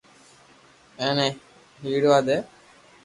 ايني ھيڙوا دي